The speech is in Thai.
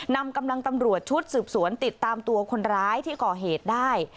นำกำลังตำรวจชุดสืบสวนติดตามตัวคนร้ายที่ก่อเหตุได้